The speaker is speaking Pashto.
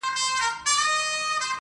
هسي نه چي دا یو ته په زړه خوږمن یې-